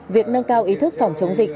việc nâng cao ý thức phòng chống dịch